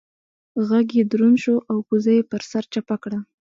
غږ يې دروند شو او کوزه يې پر سر چپه کړه.